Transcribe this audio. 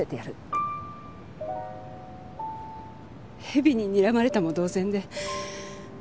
蛇ににらまれたも同然で。